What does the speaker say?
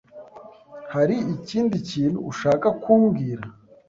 Hari ikindi kintu ushaka kumbwira?